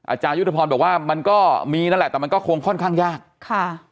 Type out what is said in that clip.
อาจารยุทธพรบอกว่ามันก็มีนั่นแหละแต่มันก็คงค่อนข้างยากค่ะ